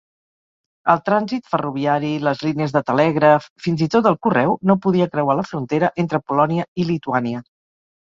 El trànsit ferroviari, les línies de telègraf... fins i tot el correu no podia creuar la frontera entre Polònia i Lituània.